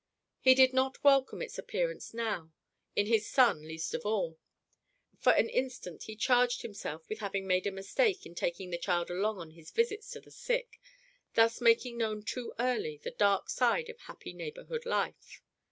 He did not welcome its appearance now, in his son least of all. For an instant he charged himself with having made a mistake in taking the child along on his visits to the sick, thus making known too early the dark side of happy neighborhood life.